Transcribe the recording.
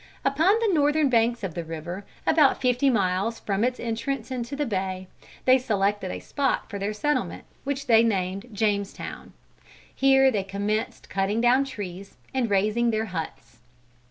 Upon the northern banks of the river, about fifty miles from its entrance into the bay, they selected a spot for their settlement, which they named Jamestown. Here they commenced cutting down trees and raising their huts.